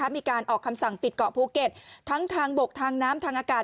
มีการออกคำสั่งปิดเกาะภูเก็ตทั้งทางบกทางน้ำทางอากาศ